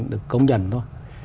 được công nhận thôi